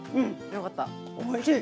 よかった。